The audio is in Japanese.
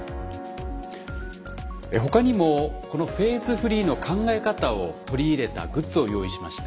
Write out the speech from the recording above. ほかにもこのフェーズフリーの考え方を取り入れたグッズを用意しました。